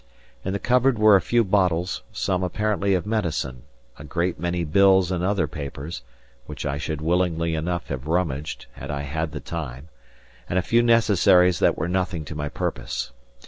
In the cupboard were a few bottles, some apparently of medicine; a great many bills and other papers, which I should willingly enough have rummaged, had I had the time; and a few necessaries that were nothing to my purpose.